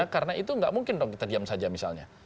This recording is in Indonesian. karena itu tidak mungkin kita diam saja misalnya